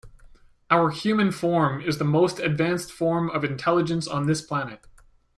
Our human form is the most advanced form of intelligence on this planet.